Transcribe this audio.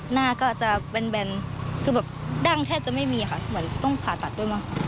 หน้าก็อาจจะแบนคือแบบดั้งแทบจะไม่มีค่ะเหมือนต้องผ่าตัดด้วยมั้งค่ะ